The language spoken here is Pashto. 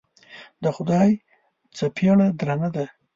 د خدای څپېړه درنه ده.